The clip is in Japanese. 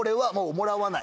もらわない。